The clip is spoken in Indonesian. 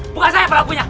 bukan saya pelakunya